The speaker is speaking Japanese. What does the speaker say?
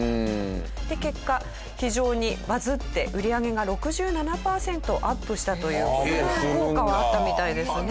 で結果非常にバズって売り上げが６７パーセントアップしたというすごい効果はあったみたいですね。